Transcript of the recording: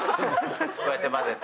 こうやって混ぜて。